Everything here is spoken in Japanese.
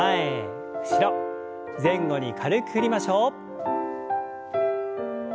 前後に軽く振りましょう。